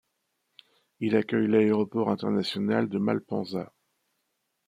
Il accueille l’aéroport international de Malpensa.